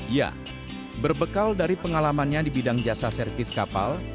ya berbekal dari pengalamannya di bidang jasa servis kapal